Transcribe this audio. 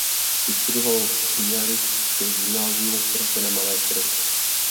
Vystudoval piaristické gymnázium v Praze na Malé Straně.